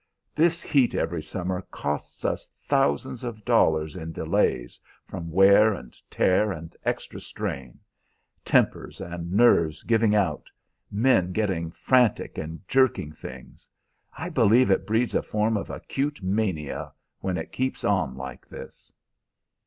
This heat every summer costs us thousands of dollars in delays, from wear and tear and extra strain tempers and nerves giving out, men getting frantic and jerking things. I believe it breeds a form of acute mania when it keeps on like this."